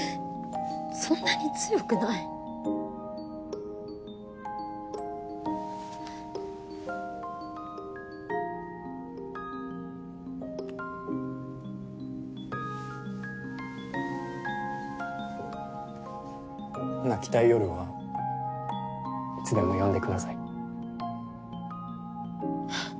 そんなに強くない泣きたい夜はいつでも呼んでください